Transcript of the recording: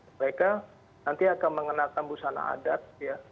mereka nanti akan mengenakan busana adat ya